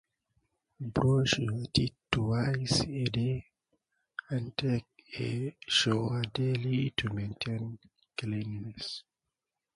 Brush your teeth twice a day and take a shower daily to maintain cleanliness.